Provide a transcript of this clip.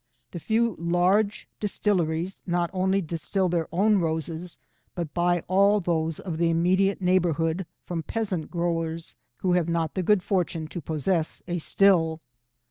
The few large distilleries not only distil their own roses, but buy all those in the immediate neighbourhood from peasant growers who have not the good fortune to possess a still.